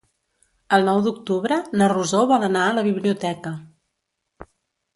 El nou d'octubre na Rosó vol anar a la biblioteca.